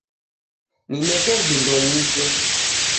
Nineke vindo nije